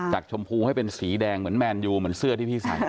ชมพูให้เป็นสีแดงเหมือนแมนยูเหมือนเสื้อที่พี่ใส่